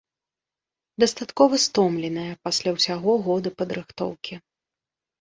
Дастаткова стомленая пасля ўсяго года падрыхтоўкі.